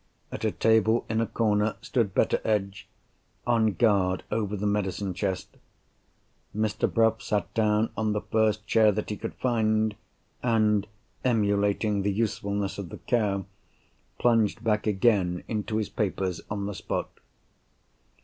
At a table in a corner stood Betteredge, on guard over the medicine chest. Mr. Bruff sat down on the first chair that he could find, and (emulating the usefulness of the cow) plunged back again into his papers on the spot.